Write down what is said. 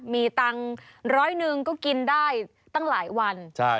มีตังค์ร้อยหนึ่งก็กินได้ตั้งหลายวัน